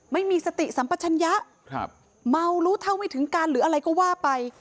ไม่มีสติสัมปัชญะเมารู้เท่าไม่ถึงการหรืออะไรก็ว่าไป